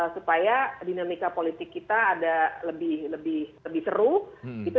supaya dinamika politik kita ada lebih seru gitu